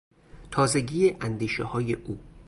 تازگی اندیشههای او